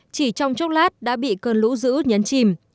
chỉ trong chốc lát đã bị cơn lũ dữ nhấn chìm